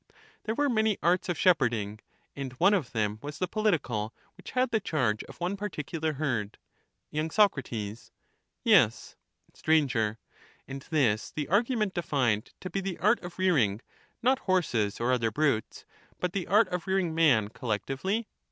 There were many arts of shepherding, and one of them was the political, which had the charge of one particular herd? y Soc. Yes. Sir. And this the argument defined to be the art of rearing, not horses or other brutes, but the art of rearing man collectively